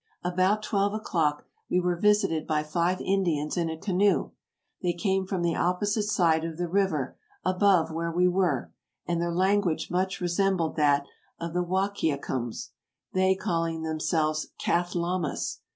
About twelve o'clock we were visited by five Indians in a canoe. They came from the opposite side of the river, above where we were, and their language much resembled that of the Wahkiacums ; they calling themselves Cathlamahs.